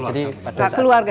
jadi pada saat dari keluarga